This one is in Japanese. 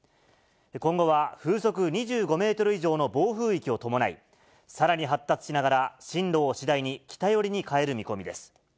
今後は風速２５メートル以上の暴風域を伴い、さらに発達しながら、進路を次第に北寄りに変える見込みです。